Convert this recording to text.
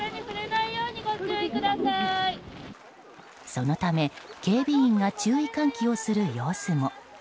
そのため、警備員が注意喚起をする様子も。